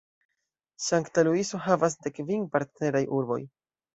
Sankta Luiso havas dek kvin partneraj urboj.